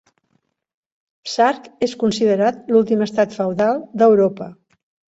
Sark és considerat l'últim estat feudal d'Europa.